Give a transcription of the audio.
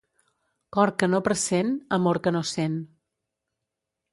Cor que no pressent, amor que no sent.